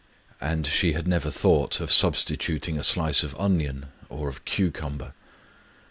And she had never thought of substituting a slice of onion or of cucumber!